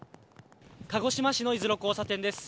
鹿児島市のいづろ交差点です。